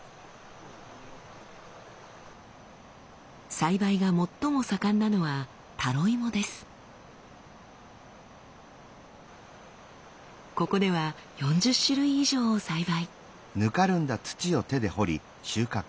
栽培が最も盛んなのはここでは４０種類以上を栽培。